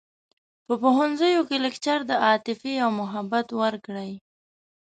په پوهنځیوکې لکچر د عاطفې او محبت ورکړی